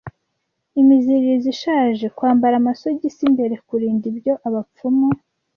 Imiziririzo ishaje Kwambara amasogisi imbere kurinda ibyo Abapfumu